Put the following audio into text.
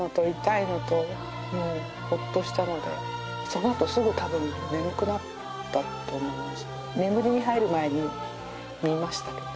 そのあとすぐ多分眠くなったと思います。